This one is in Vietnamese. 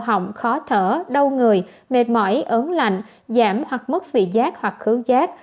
ổng khó thở đau người mệt mỏi ớn lạnh giảm hoặc mất vị giác hoặc khướng giác